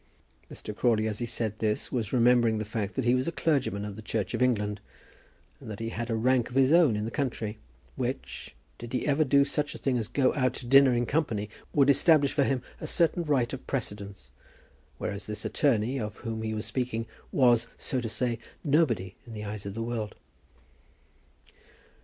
Mr. Crawley as he said this was remembering the fact that he was a clergyman of the Church of England, and that he had a rank of his own in the country, which, did he ever do such a thing as go out to dinner in company, would establish for him a certain right of precedence; whereas this attorney, of whom he was speaking, was, so to say, nobody in the eyes of the world.